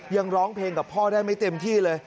ร้องเพลงกับพ่อได้ไม่เต็มที่เลย